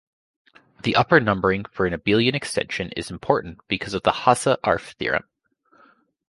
The upper numbering for an abelian extension is important because of the Hasse-Arf theorem.